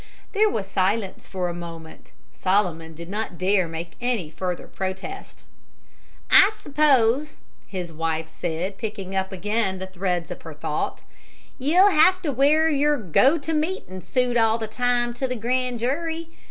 There was silence for a moment; Solomon did not dare make any further protest. "I suppose," his wife said, picking up again the thread of her thoughts, "ye'll have to wear your go to meetin' suit all the time to the grand jury.